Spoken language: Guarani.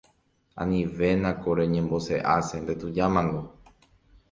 anivéna ko reñembosehace ndetujámango